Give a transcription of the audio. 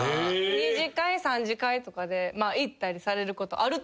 ２次会３次会とかで行ったりされることあると。